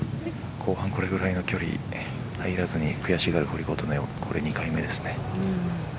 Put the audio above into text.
後半これぐらいの距離入らずに悔しがる堀琴音を２回目です。